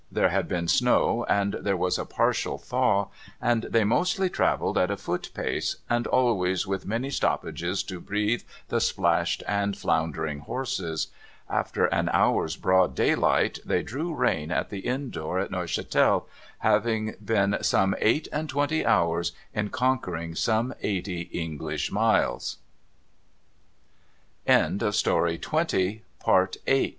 There had been snow, and there was a partial thaw, and they mostly travelled at a foot pace, and always with many stoppages to breathe the splashed and floundering horses. After an hour's broad daylight, they drew rein at the inn door at Neuchatel, having been some cight and twenty hours in conquering some eighty